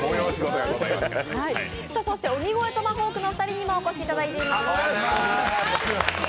そして鬼越トマホークのお二人にもお越しいただいています。